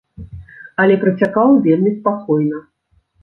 Але працякаў вельмі спакойна.